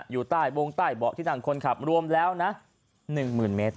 อยู่บวงใต้เบาะที่ดังคนขับรวมแล้วนะหนึ่งหมื่นเมตร